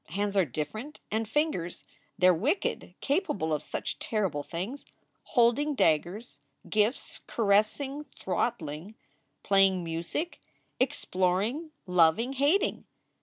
Hands are different, and fingers they re wicked capable of such terrible things holding daggers, gifts caressing throttling playing music exploring loving hating.